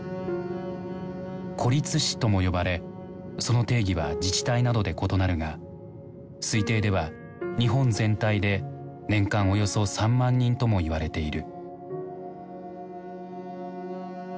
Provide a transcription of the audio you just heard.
「孤立死」とも呼ばれその定義は自治体などで異なるが推定では日本全体で年間およそ３万人ともいわれている。